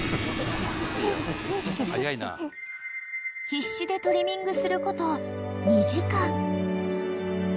［必死でトリミングすること２時間］